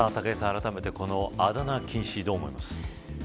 あらためて、このあだ名禁止どう思いますか。